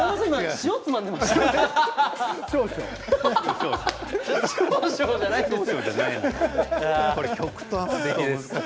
塩をつまんでいましたか？